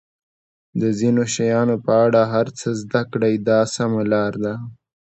د ځینو شیانو په اړه هر څه زده کړئ دا سمه لار ده.